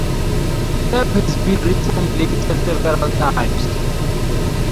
Tab has been reformulated several times.